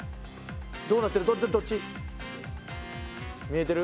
どうなってる？